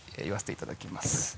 言わせていただきます。